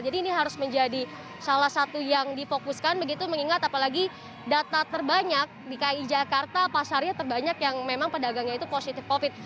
ini harus menjadi salah satu yang difokuskan begitu mengingat apalagi data terbanyak dki jakarta pasarnya terbanyak yang memang pedagangnya itu positif covid